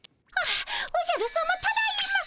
あおじゃるさまただいま。